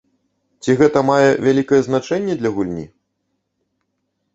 Ці гэта мае вялікае значэнне для гульні?